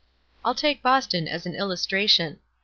I'll take Boston as an illus tration.